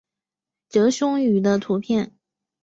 褶胸鱼的图片